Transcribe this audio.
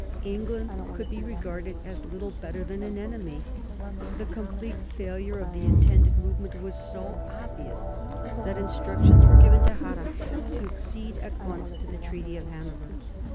England could be regarded as little better than an enemy. The complete failure of the intended movement was so obvious that instructions were given to Harrach to accede at once to the Treaty of Hanover.